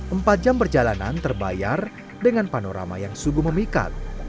empat jam perjalanan terbayar dengan panorama yang sungguh memikat